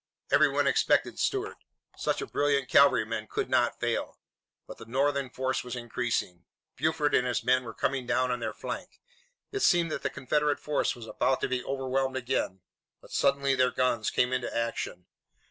Everyone expected Stuart. Such a brilliant cavalryman could not fail. But the Northern force was increasing. Buford and his men were coming down on their flank. It seemed that the Confederate force was about to be overwhelmed again, but suddenly their guns came into action.